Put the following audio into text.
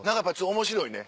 面白いね。